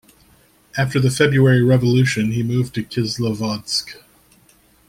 After the February Revolution, he moved to Kislovodsk.